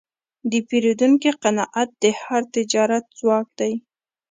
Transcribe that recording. د پیرودونکي قناعت د هر تجارت ځواک دی.